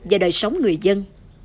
và đời sống người dân